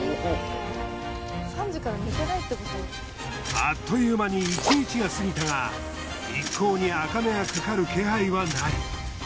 あっという間に１日が過ぎたが一向にアカメがかかる気配はない。